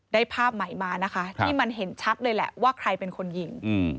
ได้ภาพใหม่มานะคะที่มันเห็นชัดเลยแหละว่าใครเป็นคนยิง